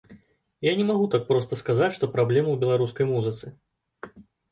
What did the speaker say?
І я не магу так проста сказаць, што праблема ў беларускай музыцы.